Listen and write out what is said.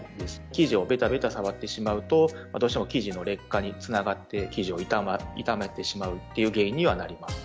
生地をべたべた触ってしまうとどうしても生地の劣化につながって生地を傷めてしまうという原因にはなります。